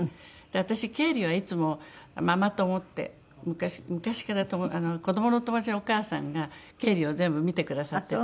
私経理はいつもママ友って昔から子どもの友達のお母さんが経理を全部見てくださってて。